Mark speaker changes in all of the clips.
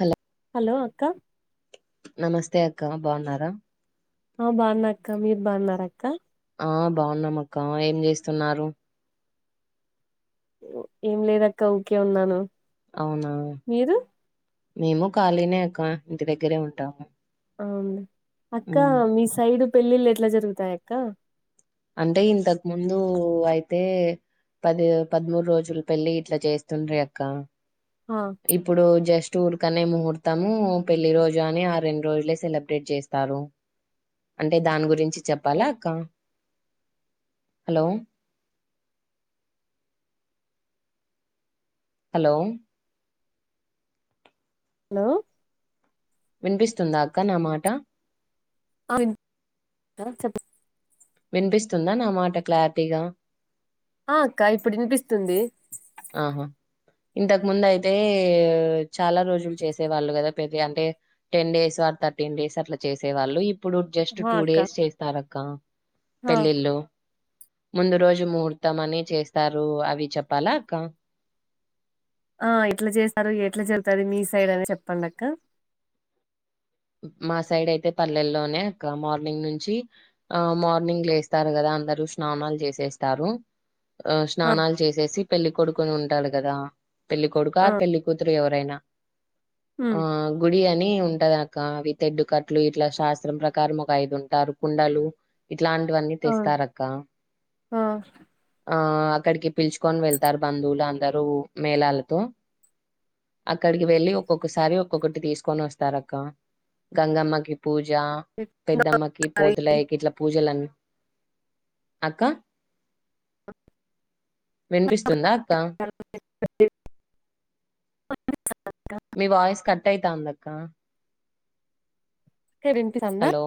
Speaker 1: Hello
Speaker 2: hello అక్క
Speaker 1: నమస్తే అక్క బాగున్నారా
Speaker 2: ఆ బాగున్నా అక్క మీర్ బాగున్నార అక్క
Speaker 1: ఆ బాగున్నామక్క ఏం చేస్తున్నారు
Speaker 2: ఏం లేదక్క ఊకే ఉన్నాను
Speaker 1: అవునా
Speaker 2: మీరు
Speaker 1: మేము ఖాళీనే అక్క ఇంటి దగ్గరే ఉంటాము
Speaker 2: అవును అక్క
Speaker 1: ఉమ్.
Speaker 2: మీ సైడ్ పెళ్ళిళ్ళు ఎట్లా జరుగుతాయక్క
Speaker 1: అంటే ఇంతకు ముందు అయితే పది పదమూడు రోజులు పెళ్లి ఇట్లా చేస్తుండ్రి అక్క
Speaker 2: ఆ,
Speaker 1: ఇప్పుడు జస్ట్ టూర్ కనే ముహూర్తము పెళ్లి రోజు అని ఆ రెండు రోజులే సెలబ్రేట్ చేస్తారు అంటే దాని గురించి చెప్పాల అక్క హలో హలో
Speaker 2: హలో
Speaker 1: వినిపిస్తుందా అక్క నా మాట
Speaker 2: ఆ వినిపిస్తుంది అక్క చెప్పు
Speaker 1: వినిపిస్తుందా నా మాట క్లారిటీగా
Speaker 2: ఆ అక్క ఇప్పుడు వినిపిస్తుంది
Speaker 1: ఆహా ఇంతకు ముందు అయితే చాలా రోజులు చేసే వాళ్ళు కదా పెళ్లి అంటే టెన్ డేస్ అ థర్టీన్ డేస్ అట్లా చేసేవాళ్ళు ఇప్పుడు జస్ట్
Speaker 2: ఆ
Speaker 1: టూ
Speaker 2: అక్క
Speaker 1: డేస్ చేస్తారు కా
Speaker 2: ఆ
Speaker 1: పెళ్లిళ్లు ముందు రోజు ముహూర్తం అని చేస్తారు అవి చెప్పాలా కా
Speaker 2: ఆ ఎట్లా చేస్తారు ఎట్లా జరుగుతది మీ సైడ్ అని చెప్పండి అక్క
Speaker 1: మా సైడ్ అయితే పల్లెల్లోనే అక్క మార్నింగ్ నుంచి ఆ మార్నింగ్ లేస్తారు కదా అందరు స్నానాలు చేసేస్తారు ఆ స్నాలు చేసేసి పెళ్ళికొడుకుని ఉంట టడగదా పెళ్ళ కొడు
Speaker 2: ఆ
Speaker 1: ఆర్ పెళ్లి కూతురు ఎవరైనా [inaudible] ఆ
Speaker 2: ఉమ్
Speaker 1: గుడియ ని ఉంట దంట అవి తెడ్డుకట్లు ఇట్లా శాస్త్రం ప్రకారం ఒక ఐదు ఉంటారు కుండలు ఇట్లాంటివన్నీ
Speaker 2: ఆ
Speaker 1: తెస్తారు అక్క
Speaker 2: ఆ
Speaker 1: ఆ అక్కడికి పిలుచుకొని వెళ్తారు బంధువులు అందరూ మేళాలతో అక్కడికి వెళ్ళి ఒక్కొక్కసారి ఒక్కొక్కటి తీసుకొని వస్తారు అక్క గంగమ్మకి పూజ పూజ పెద్దమ్మకి పోతులయ్యకి ఇట్లా పూజలన్న అక్క వినిపిస్తుందా అక్క మీ వాయిస్ కట్ అయితాందక
Speaker 2: ఇ ర్ వింపి సంద
Speaker 1: హలో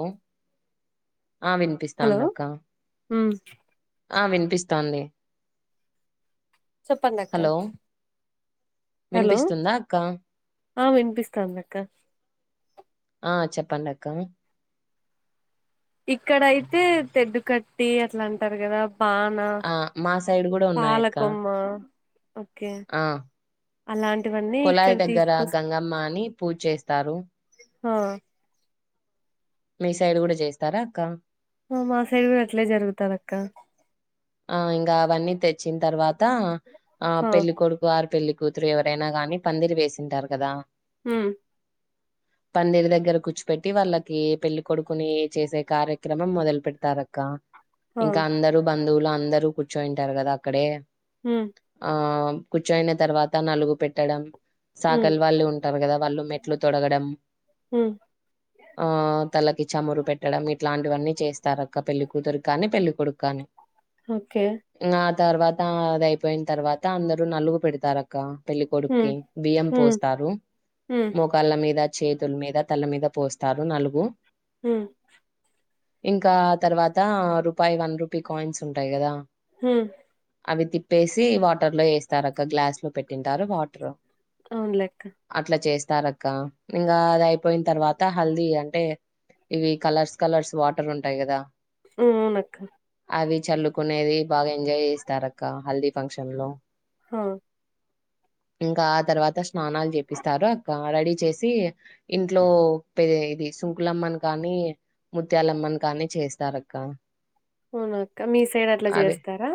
Speaker 1: ఆ వినిపిస్తాందక్క
Speaker 2: ఉమ్,
Speaker 1: ఆ వినిపిస్తాంది
Speaker 2: చెప్పడక్క
Speaker 1: హలో
Speaker 2: హలో
Speaker 1: వినిపిస్తుందా అక్క
Speaker 2: ఆ వినిపిస్తాందక్క
Speaker 1: ప్పాడంక్క
Speaker 2: ఇక్కడ అయితే తెడ్డు కట్టి అట్లా అంటారు కదా బన
Speaker 1: ఆ మా సైడ్ కూడా ఉన్నాయక్క
Speaker 2: పాలకొమ్మ ఓకే
Speaker 1: ఆ
Speaker 2: అలాంటివన్నీ
Speaker 1: కుళాయి
Speaker 2: ఇక్కడ
Speaker 1: దగ్గర
Speaker 2: తీసుకొస్
Speaker 1: గంగమ్మ అని పూజ చేస్తారు
Speaker 2: ఆ
Speaker 1: మీ సైడ్ కూడా చేస్తారా అక్క
Speaker 2: మా సైడ్ కూడా అట్లే జరుగుతాది అక్క
Speaker 1: ఆ ఇంకా అవన్నీ తెచ్చిన తర్వా త ఆ పెళ్ళి కొడుకు ఆర్ పెళ్ళి కూతురు ఎవరైనా గాని పందిరి వేసింటారు కదా
Speaker 2: ఉం
Speaker 1: పందిరి దగ్గర కూర్చుపెట్టి వాళ్ళకి పెళ్లిికడుకుని చేసే కార్యక్రమం మొదలు పెడతారక్క
Speaker 2: ఆ
Speaker 1: ఇంకా అందరు బ ధువులు అందరూ కూర్చోనింటారు కదా అక్కడే
Speaker 2: ఉమ్
Speaker 1: ఆ కూర్చోని తర్వాత నలుగు పెట్టడం
Speaker 2: ఉమ్
Speaker 1: సాకలు వాళ్ళు ఉంటారు కదా వాళ్ళు మెట్లు తొడగడం
Speaker 2: ఉమ్
Speaker 1: ఆ తల్లకి చమురు పెట్టడం ఇలాంటివన్నీ చేస్ తరక్క పెళ్లి కూతురి క్కాని పెళ్ళికొడుకు కానీ
Speaker 2: ఓకే
Speaker 1: ఇంగ ఆ తర్వాత అద అయిపోయిన తర్వాత అందరుూ నలుగు పెడతారు అక్క పెళ్లి కొడుక్కి
Speaker 2: ఉమ్
Speaker 1: బియ్యం
Speaker 2: ఉమ్
Speaker 1: పోస్తారు
Speaker 2: ఉమ్
Speaker 1: మోకాళ్ళ మీద చేతుల మీద తల మీద పోస్తారు నలుగు
Speaker 2: ఉమ్
Speaker 1: ఇంకా తర్వాత రూపాయి వన్ రూపీ కాయిన్స్ ఉంటాయి కదా
Speaker 2: ఉమ్
Speaker 1: అవి తిప్పేసి వాటర్ లో వేస్తారు అక్క గ్లాస్ లో పెట్టింటారు వాటర్
Speaker 2: అవునులెక్క
Speaker 1: తరక్క ఇంకా అది అయిపోయిన తర్వాత హల్దీ అంటే ఇవి కలర్స్ కలర్స్ వాటర్ ఉంటాయి కదా
Speaker 2: అవునక్క
Speaker 1: అవి చల్లుకునేది బాగా ఎంజాయ్ చేస్తారు అక్క హల్దీ ఫంక్షన్ లో
Speaker 2: హ
Speaker 1: ఇంకా ఆ తర్వా స్నానాలు చేపిస్తారు అక్క రెడీ చేసి ఇంట్లో పె ఇది సుంకులమ్మని కానీ ముత్యాలమ్మని కానీ చేస్తారు అక్క.
Speaker 2: అవునాక్క మీ సైడ్ అట్లా చేస్తారా.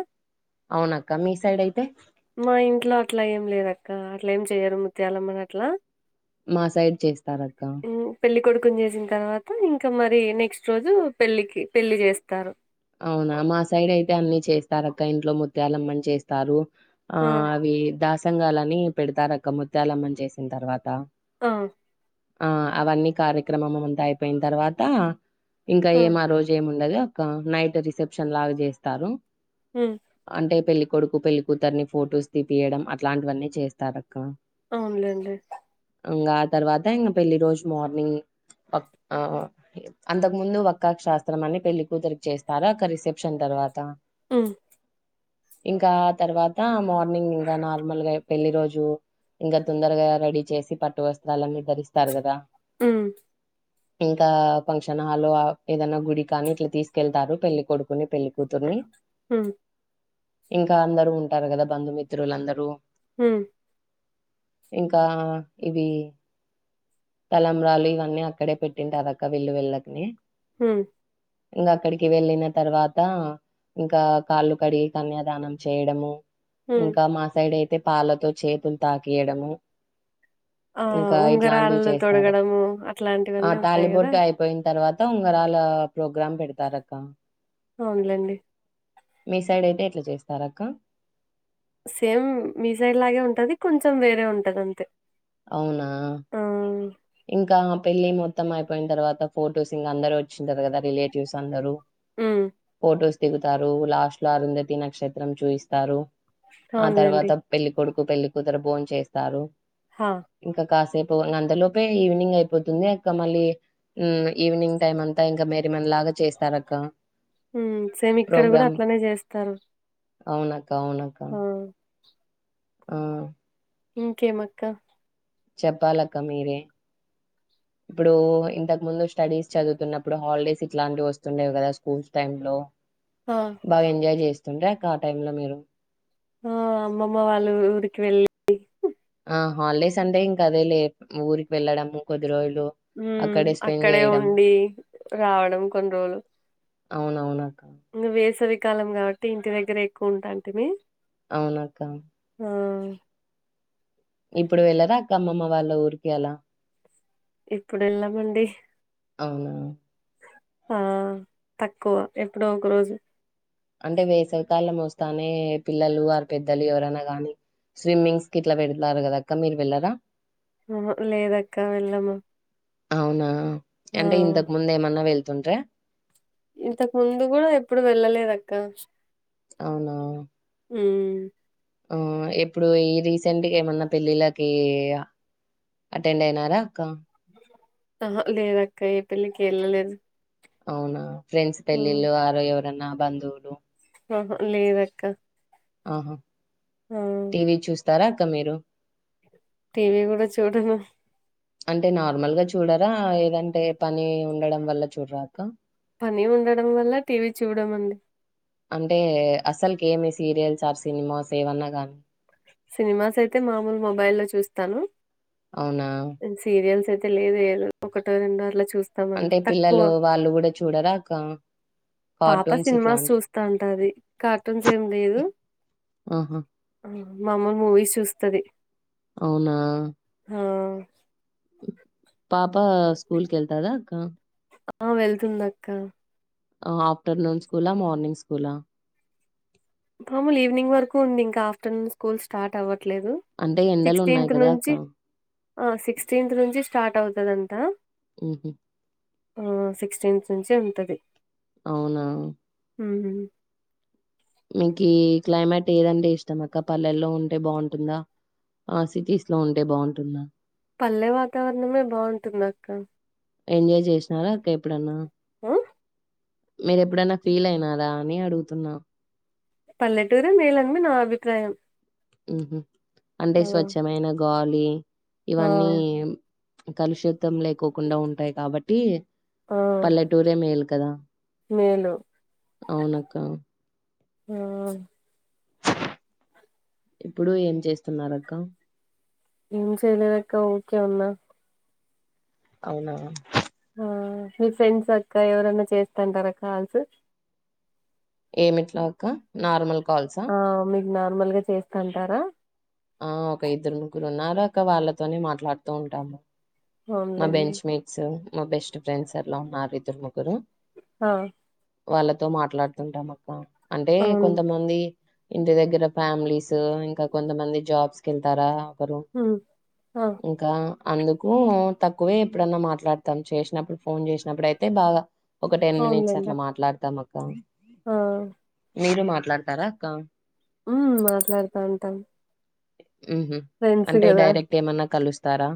Speaker 1: అవునక్క మీ సైడ్ అయితే
Speaker 2: మా ఇంట్లో అట్లా ఏం లేదు అక్క. అట్లా ఏం చెయ్యరు ముత్యాలమ్మని అట్లా.
Speaker 1: మా సైడ్ చేస్
Speaker 2: హ్ పెళ్ళి కొడుకుని చేసిన తర్వా త ఇంకా మరి నెక్స్ట్ రోజు పెళ్లికి పెళ్లి చేస్తారు.
Speaker 1: అవునా మా సైడ్ అయితే అన్ని చేస్తారు అక్క. ఇంట్లో ముత్యాల అమ్మని చేస్తారు. ఆ అవి దాస్ పుంగాలని పెడతారు అక్క ముత్యాలమ్మని చేసిన తర్వాత.
Speaker 2: ఆ
Speaker 1: ఆ అవన్నీ కార్యక్రమం అంతా అయిపోయిన తర్వాత ఇంకా ఏం ఆ రోజు ఏమి ఉండదు. కా నైట్ రిసెప్షన్ లాగా చేస్తారు.
Speaker 2: ఉమ్,
Speaker 1: అంటే పెళ్ళి కొడుకు పెళ్ళికూతుర్ని ఫొటోస్ తీపియడం అట్లాంటివన్నీ చేస్తారు అక్క.
Speaker 2: అవునులేండి.
Speaker 1: ఇంగా ఆ తర్వాత ఇంగా పెళ్లి రోజు మార్నింగ్ వ అంతకు ముందు వక్కా శాస్త్రం అని పెళ్ళి కూతురికి చేస్తారు అక్క రిసెప్షన్ తర్వాత.
Speaker 2: హ్
Speaker 1: ఇంకా తర్వాత మార్నింగ్ ఇంకా నార్మల్ గా పెళ్లి రోజు ఇంగా తొందరగా రెడీ చేసి పట్టు వస్త్రాలన్నీ ధరిస్తారు కదా.
Speaker 2: హ్మ్
Speaker 1: ఇంకా ఫంక్షన్ హాల్ ఏదైనా గుడి కానీ ఇట్లా తీస్ కెళ్తారు పెళ్లి కొడుకుని పెళ్లి కూతుర్ని.
Speaker 2: ఉమ్,
Speaker 1: ఇంకా అందరు ఉంటారు కదా బంధుమిత్రులుందరూ.
Speaker 2: హ
Speaker 1: ఇంకా ఇవి తలంబ్రాలు ఇవన్నీ అక్కడే పెట్టింటారు అక్క విల్లు వెళ్ళకిని
Speaker 2: హ
Speaker 1: ఇంకా అక్కడికి వెళ్ళిన తర్వాత ఇంకా కాళ్ళు కడిగి కన్యాదానం చేయడము,
Speaker 2: ఉమ్.
Speaker 1: ఇంకా మా సైడ్ అయితే పాలతో చేతులు తాకియడము.
Speaker 2: ఆ
Speaker 1: ఇంకా ఇట్లాంటివి
Speaker 2: ఉంగరాలు
Speaker 1: చేస్తారు
Speaker 2: తొడగడము
Speaker 1: ఆ
Speaker 2: అట్లాంటివన్నీ ఉంటాయి కదా.
Speaker 1: తాలిబొట్టు అయిపోయిన తర్వాత ఉంగరాల ప్రో గ్రామ్ పెడతారక్క.
Speaker 2: అవునులేండి.
Speaker 1: మీ సైడ్ అయితే ఎట్లా చేస్తారు అక్క.
Speaker 2: సేమ్ మీ సైడ్ లాగే ఉంటది కొంచెం వేరే ఉంటది అంతే.
Speaker 1: అవునా.
Speaker 2: ఆ,
Speaker 1: ఇంకా పెళ్లి మొత్తం అయిపోయిన తర్వాత ఫొటోస్ ఇంకా అందరు వచ్చింటారు కదా రిలేటివ్స్ అందరు
Speaker 2: ఊ
Speaker 1: దిగుతారు లాస్ట్ లో అరుంధతి నక్షత్రం చూయిస్తారు ఆ
Speaker 2: అవునులేండి
Speaker 1: తర్వాత పెళ్ళికొడు కు పెళ్లి కుతురు బోన్ చేస్తారు
Speaker 2: హా
Speaker 1: ఇంకా కాసేప్ పో నందలో పె ఈవినింగ్ అయిపోతుంది అక్క మళీ ఊ ఈవినింగ్ టైమ్ అంతా ఇంకా మరి మెల్లగా
Speaker 2: ఊ సేమ్ ఇక్కడ కూడా అట్లనే చేస్తారు
Speaker 1: అవున కావునక
Speaker 2: ఆ,
Speaker 1: ఆ
Speaker 2: ఇంకేమక్క
Speaker 1: చెప్పాలక్క మీరే ఇప్పుడు ఇంతకు ముందు స్టడీస్ చదువుతున్నప్పుడు హాలిడేస్ ఇట్లాంటివి వస్తుండేవి కదా స్కూల్స్ టైమ్ లో
Speaker 2: ఆ,
Speaker 1: బాగా ఎంజాయ్ చేస్ తుండేక ఆ టైమ్ లో మీరు
Speaker 2: ఆ అమ్మమ్మ వాళ్ళు ఊరికి వెళ్ళి
Speaker 1: అ హాలిడేస్ అండే ఇంకా అదే లే ఊరికి వెళ్లడము కొద్ది రోజులు
Speaker 2: ఊ
Speaker 1: స్పెండ్
Speaker 2: అక్కడే
Speaker 1: చేయడం
Speaker 2: ఉండి రావడం కొన్ని రోలు
Speaker 1: అవునవునా
Speaker 2: ఇంకా వేసవికాలం కాబట్టి ఇంటి దగ్గర ఎక్కువ ఉంటాంటి మీ
Speaker 1: అవునక్క
Speaker 2: ఆ
Speaker 1: ఇప్పుడు వెళ్ళరా అక్క అమ్మమ్మ వాళ్ళ ఊరికి అలా
Speaker 2: ఇప్పుడు ఎళ్ళమండి
Speaker 1: అవునా
Speaker 2: ఆ తక్కువ ఎప్పుడో ఒక రోజు
Speaker 1: అంటే వేసవికాలం మోస్తానే పిల్లలు వారు పెద్దలు ఎవరైనా గాని స్విమ్మింగ్స్ కి ఇట్లా వెళతారు కదక్క మీరు వెళ్ళరా
Speaker 2: ఆ లేదక్క వెళ్ళము
Speaker 1: అవునా
Speaker 2: ఆ!
Speaker 1: అంటే ఇంతక్ ముందే ఏమన్నా వెళ్ ఉంటే
Speaker 2: ఇంతకు ముందు కూడా ఎప్పుడు వెళ్ళలేదు అక్క
Speaker 1: అవునా
Speaker 2: ఊ
Speaker 1: ఆ ఎప్పుడు ఈ రీసెంట్గా ఏమన్నా పెళ్ళిళ్ళకి అటెండ్ అయినారా అక్క
Speaker 2: ఆహ లేదక్క ఏ పెళ్లికి వెళ్ళలేదు
Speaker 1: అవునా ఫ్రెండ్స్ పెళ్లిలో ఆరో ఎవ న్నా బందువులు
Speaker 2: ఆహ లేదక్క
Speaker 1: ఆహా
Speaker 2: ఆ!
Speaker 1: టివి చూస్త తారా అక్క మీరు
Speaker 2: టీవీ కూడా చూడను
Speaker 1: అంటే నార్మల్ గా చూడరా ఏదంటే పని ఉండడం వల్ల చూడరా అక్క
Speaker 2: పని ఉండడం వల్ల టీవీ చూడం అండి
Speaker 1: అంటే అసలుకి ఏమి సీరియల్స్ ఆర్ సినిమాస్ ఏవన్నా గానీ
Speaker 2: సినిమాస్ అయితే మామూలు మొబైల్ లో చూస్తాను
Speaker 1: అవునా
Speaker 2: సీరియల్స్ ఐతే లేదు ఏలు ఒకటో రెండో చూస్తాం అంతే
Speaker 1: అంటే
Speaker 2: తక్కువ.
Speaker 1: పిల్లలు వాళ్ళు కూడా చూడరా అక్క
Speaker 2: పాప
Speaker 1: కార్టూన్స్
Speaker 2: సినిమాస్
Speaker 1: ఇట్లాంటివి
Speaker 2: చూస్తా ఉంటది కార్టూన్స్ ఏం లేదు
Speaker 1: ఆహా
Speaker 2: మామూలు మూవీస్ చూస్తుది
Speaker 1: అవునా
Speaker 2: ఆ
Speaker 1: పాప స్కూల్ కెల్తాదా అక్క
Speaker 2: ఆ వెళ్తుంది అక్క
Speaker 1: ఆఫ్టర్నూన్ స్కూల మార్నింగ్ స్కూల
Speaker 2: మాముూలు ఈవినింగ్ వరకు ఉంది ఇంకా ఆఫ్టర్నూన్ స్కూల్ స్టార్ట్ అవ్వట టలేదు
Speaker 1: అంటే ఎండలు ఉన్నాయి
Speaker 2: సిక్స్టెంత్
Speaker 1: కదా అక్క
Speaker 2: నుంచి సిక్స్టెంత్ నుంచి స్టార్ట్ అవుతుదంతా
Speaker 1: ఉహు
Speaker 2: ఆ సిక్స్టీన్త్ నుంచి ఉంటది
Speaker 1: అవునా
Speaker 2: ఉహు
Speaker 1: మకి క్లైమేట్ ఏదంటే ఇష్టం అక్క పల్లెల్లో ఉంటే బాగుంటుందా ఆ సిటీస్ లో ఉంటే బాగుంటుందా
Speaker 2: పల్లె వాతావరణమే బాగుంటుంది అక్క
Speaker 1: ఎంజాయ్ చేసినారా అక్క ఎప్పుడన్నా
Speaker 2: ఆ
Speaker 1: మీర ఎప్పుడైనా ఫీల్ అయినారా అని అడుగుతున్నా
Speaker 2: పల్లెటూరే మేలు అని నా అభిప్రాయం
Speaker 1: ఉహు అంటే
Speaker 2: ఆ!
Speaker 1: స్వచ్ఛమైన గాలి ఏ
Speaker 2: ఆ!
Speaker 1: ఇవన్నీ కలుషితం లేకోకుండా ఉంటాయి కాబట్టి
Speaker 2: ఆ!
Speaker 1: పల్లెటూరే మేలు కదా
Speaker 2: మేలు.
Speaker 1: అవును అక్క
Speaker 2: ఆ
Speaker 1: ఇప్పుడు ఏం చేస్తున్నారు అక్క
Speaker 2: ఏం చెయలేదక్క ఊకే ఉన్న
Speaker 1: అవున
Speaker 2: ఆ మీ ఫ్రెండ్స్ అక్క ఎవరన్నా చేస్తాంటారా కాల్స్.
Speaker 1: ఏమిట్లాక నార్మల్ కాల్సా?
Speaker 2: ఆ మీ నార్మల్ గా చేస్తంటారా.
Speaker 1: ఆ ఒక ఇద్దరు, ముగ్గురు ఉన్నారు అక్క వాళ్ళతోనే మాట్లాడుతూ ఉంటాము. మా
Speaker 2: అవునులేండి
Speaker 1: బెంచ్ మేట్స్. మా బెస్ట్ ఫ్రెండ్స్ ఎలా ఉన్నారు? ఇద్దరు ముగ్గురు
Speaker 2: ఆ
Speaker 1: వాళ్ళతో మాట్లాడుతుంటాం అక్క. అంటే
Speaker 2: అవును
Speaker 1: కొంతమంది ఇంటి దగ్గర ఫ్యామిలీస్ ఇంకా కొంతమంది జాబ్స్ కెళ్తారా? రు
Speaker 2: ఉమ్ ఆ
Speaker 1: ఇంకా అందుకు తక్కువే ఎప్పుడన్నా మాట్లాడతాం. చేసినప్పుడు ఫోన్ చేసినప్పుడు అయితే బాగా ఒక టెన్ మినిట్స్
Speaker 2: అవునులేండి
Speaker 1: అట్లా
Speaker 2: అక్
Speaker 1: మాట్లాడతా మ అ
Speaker 2: ఆ
Speaker 1: మీరు మాట్లాడతారా అక్క
Speaker 2: ఉ మాట్లాడుతా ఉంటాం.
Speaker 1: ఉహు
Speaker 2: ఫ్రెండ్స్
Speaker 1: అంటే
Speaker 2: కదా
Speaker 1: డైరెక్ట్ ఏమన్నా కలుస్త తర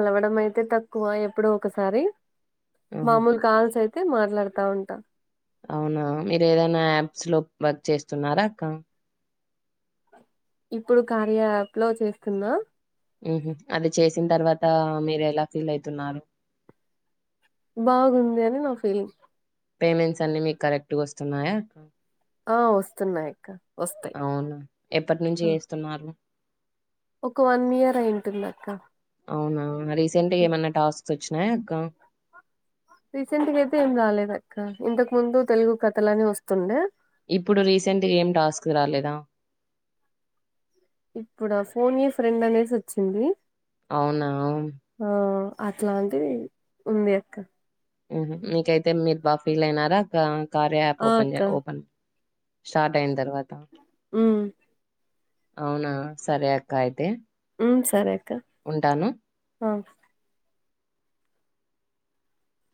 Speaker 2: కలవడం అయితే తక్కువ ఎప్పుడు ఒకసారి
Speaker 1: ఉహు
Speaker 2: మామూలు కాల్స్ అయి అయితే మాట్లాడుతా ఉంటా.
Speaker 1: అవునా మీరు ఏదైనా యాప్స్ లో వర్క్ చేస్తున్నారా అక్క.
Speaker 2: ఇప్పుడు కార్యా యాప్ లో చేస్తున్న
Speaker 1: ఉహు అది చేసిన తర్వాత మీరు ఎలా ఫీల్ అయితున్నారు.
Speaker 2: బాగుంది అని నా ఫీలింగ్.
Speaker 1: పేమెంట్స్ అన్ని మీకు కరెక్ట్గా వస్తున్నాయా?
Speaker 2: ఆ వస్తున్నాయి అక్క వస్తున్నాయి.
Speaker 1: అవునా ఎప్పటినుంచి
Speaker 2: వస్తాయి అ
Speaker 1: చేస్తున్నారు?
Speaker 2: ఒక వన్ ఇయర్ అయింటుంది అక్క.
Speaker 1: స్నాయా అక్క
Speaker 2: రీసెంట్గా అయితే ఏం రాలేదు అక్క. ఇంతకు ముందు తెలుగు కథలని వస్తుండే.
Speaker 1: ఇప్పుడు రీసెంట్గా ఏం టాస్క్ రాలేదా?
Speaker 2: ఇప్పుడు ఆ ఫోనె ఫ్రెండ్ అనేసి వచ్చింది
Speaker 1: అవునా అవును
Speaker 2: ఆ అట్లాంటిది ఉంది అక్క.
Speaker 1: మీకయితే మీరు బాగా ఫీల్ అయినారా అక్క ! ! ! ! ! ! ! ! ! !
Speaker 2: ఆ అక్క
Speaker 1: ఓపన్జె ఓపన్ స్టార్ట్ అయిన తర్వాత
Speaker 2: ఉహ్మ్
Speaker 1: అవునా సరే అక్క అయితే.
Speaker 2: ఉహ్మ్ సరే అక్క
Speaker 1: ఉంటాను.
Speaker 2: ఆ